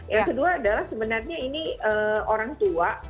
yang kedua adalah sebenarnya ini orang tua